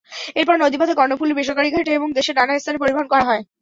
এরপর নদীপথে কর্ণফুলীর বেসরকারি ঘাটে এবং দেশের নানা স্থানে পরিবহন করা হয়।